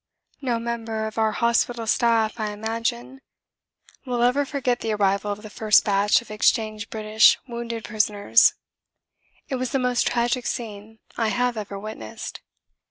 No member of our hospital staff, I imagine, will ever forget the arrival of the first batch of exchanged British wounded prisoners; It was the most tragic scene I have ever witnessed.